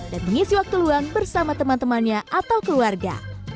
dan mengisi waktu luang bersama teman temannya atau keluarga